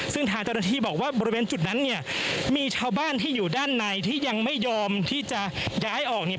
ซึ่งทางเจ้าหน้าที่บอกว่าบริเวณจุดนั้นเนี่ยมีชาวบ้านที่อยู่ด้านในที่ยังไม่ยอมที่จะย้ายออกเนี่ย